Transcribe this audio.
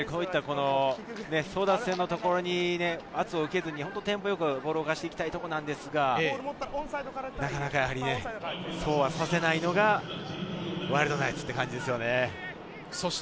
サンゴリアスとしては争奪戦のところに圧を受けずにやっとテンポよくボールを転がしていきたいところなんですが、なかなかそうはさせないのがワイルドナイツっていう感じですよね。